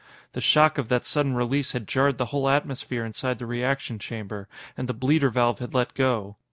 The shock of that sudden release had jarred the whole atmosphere inside the reaction chamber, and the bleeder valve had let go.